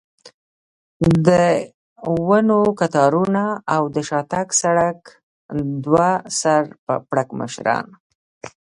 د ونو کتارونه او د شاتګ سړک، دوه سر پړکمشران.